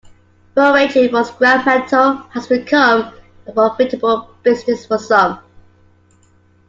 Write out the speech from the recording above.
Foraging for scrap metal has become a profitable business for some.